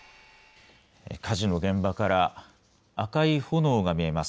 火事の現場から赤い炎が見えます。